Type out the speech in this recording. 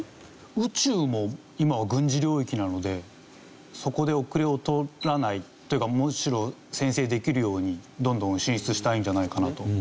宇宙も今は軍事領域なのでそこで後れを取らないというかむしろ先制できるようにどんどん進出したいんじゃないかなと。